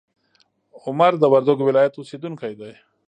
عمر د وردګو ولایت اوسیدونکی دی.